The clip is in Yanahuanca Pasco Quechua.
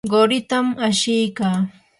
quritam ashikaa.